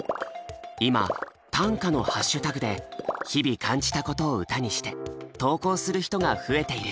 今「ｔａｎｋａ」のハッシュタグで日々感じたことを歌にして投稿する人が増えている。